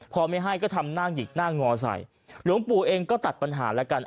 พอไม่ให้ก็ทำหน้าหยิกหน้างอใส่หลวงปู่เองก็ตัดปัญหาแล้วกัน